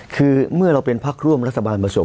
คือเมื่อเราเป็นพักร่วมรัฐบาลผสม